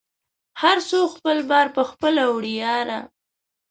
هر څوک خپل بار په خپله وړی یاره